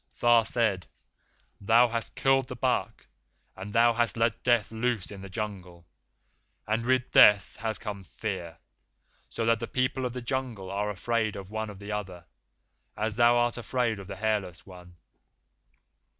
Tha said, 'Thou hast killed the buck, and thou hast let Death loose in the Jungle, and with Death has come Fear, so that the people of the Jungle are afraid one of the other, as thou art afraid of the Hairless One.